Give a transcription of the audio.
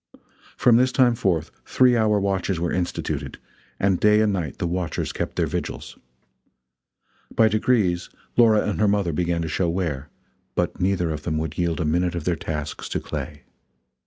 From this time forth three hour watches were instituted, and day and night the watchers kept their vigils. By degrees Laura and her mother began to show wear, but neither of them would yield a minute of their tasks to Clay.